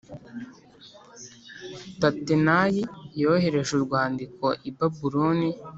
Tatenayi yohereje urwandiko i Babuloni